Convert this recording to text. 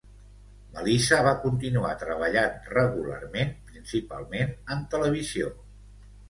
Melissa va continuar treballant regularment, principalment en televisió.